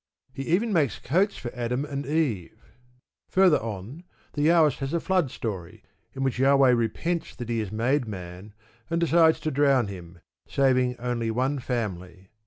He even makes coats for Adam and Eve. Further on the Jahwist has a flood story, in which Jahweh repents that he had made man, and decides to drown him, saving only one family.